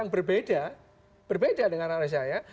berbeda berbeda dengan anak saya